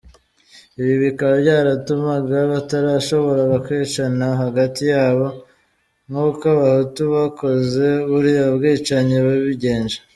Ibi, bikaba byaratumaga batarashoboraga kwicana hagati yabo, nk’uko abahutu bakoze buriya bwicanyi babigenje.